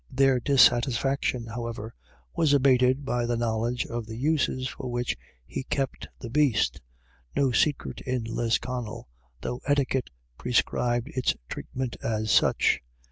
Their dissatisfaction, however, was abated by the know ledge of the uses for which he kept the beast, no secret at Lisconnel, though etiquette prescribed its treatment as such.